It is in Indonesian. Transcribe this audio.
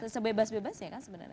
sebebas bebasnya kan sebenarnya